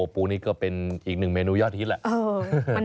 ปูนี่ก็เป็นอีกหนึ่งเมนูยอดฮิตแหละ